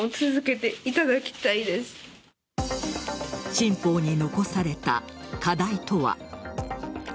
新法に残された課題とは。